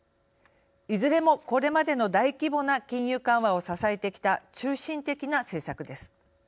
いずれもこれまでの大規模な金融緩和を支えてきた中心的な政策です。